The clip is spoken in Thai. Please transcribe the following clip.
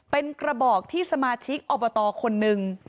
เป็นกระบอกที่สมาชิกอบตคนหนึ่ง